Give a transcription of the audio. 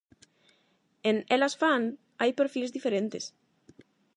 En "Elas fan", hai perfís diferentes.